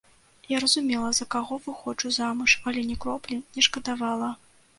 Я разумела, за каго выходжу замуж, але ні кроплі не шкадавала.